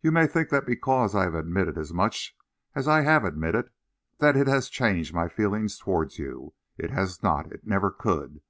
You may think that because I have admitted as much as I have admitted, that it has changed my feelings towards you. It has not. It never could.